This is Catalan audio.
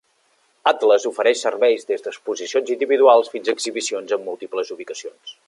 Atlas ofereix serveis des d'exposicions individuals fins a exhibicions en múltiples ubicacions.